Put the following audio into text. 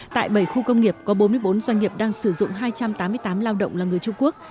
tại bảy khu công nghiệp có bốn mươi bốn doanh nghiệp đang sử dụng hai trăm tám mươi tám lao động là người trung quốc